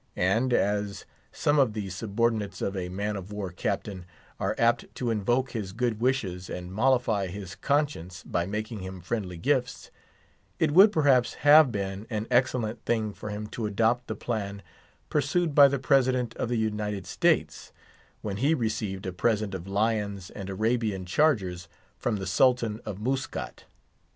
And, as some of the subordinates of a man of war captain are apt to invoke his good wishes and mollify his conscience by making him friendly gifts, it would perhaps have been an excellent thing for him to adopt the plan pursued by the President of the United States, when he received a present of lions and Arabian chargers from the Sultan of Muscat.